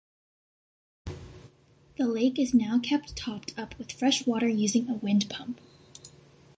The lake is now kept topped up with fresh water using a windpump.